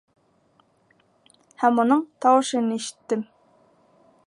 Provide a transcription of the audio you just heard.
Һәм уның тауышын ишеттем: